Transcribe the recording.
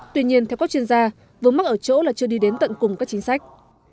tuy nhiên theo các chuyên gia vướng mắt ở chỗ là chưa đi đến tận cùng các chính sách